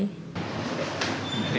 năm xe máy